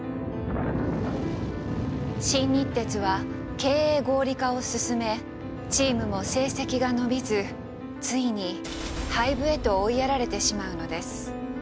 新日鉄は経営合理化を進めチームも成績が伸びずついに廃部へと追いやられてしまうのです。